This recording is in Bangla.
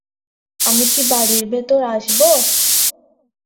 আমি কি বাড়ির ভেতর আসব?